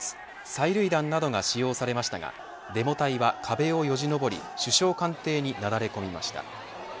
催涙弾などが使用されましたがデモ隊は壁をよじ登り首相官邸になだれ込みました。